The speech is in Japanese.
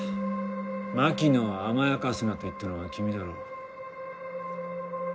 「槙野を甘やかすな」と言ったのは君だろう？